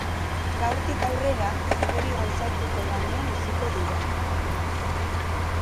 Gaurtik aurrera, hori gauzatzeko lanean hasiko dira.